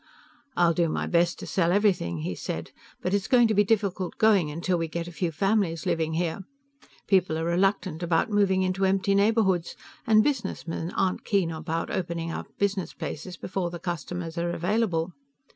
"I'll do my best to sell everything," he said, "but it's going to be difficult going till we get a few families living here. People are reluctant about moving into empty neighborhoods, and businessmen aren't keen about opening up business places before the customers are available.